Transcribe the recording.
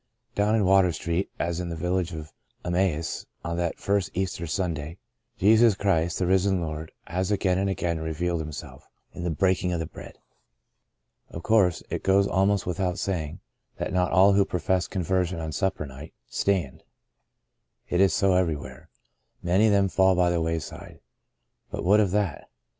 Down in Water Street, as in the village of Emmaus on that first Easter Sunday, Jesus Christ, the risen Lord, has again and again revealed Himself " in the breaking of the bread.'* Of course, it goes almost without saying that not all who profess conversion on Sup per Night stand." It is so everywhere. Many of them fall by the wayside. But what of that